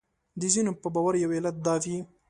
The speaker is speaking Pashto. د ځینو په باور یو علت دا وي.